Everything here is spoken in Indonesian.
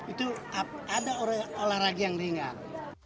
itu ada olahraga yang ringan